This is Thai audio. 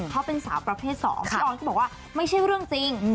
เขาเป็นสาวประเภท๒พี่ออนก็บอกว่าไม่ใช่เรื่องจริง